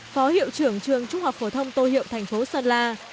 phó hiệu trưởng trường trung học phổ thông tô hiệu thành phố sơn la